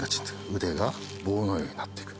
腕が棒のようになって来る